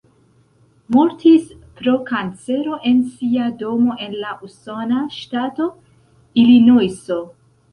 Mortis pro kancero en sia domo en la usona ŝtato Ilinojso.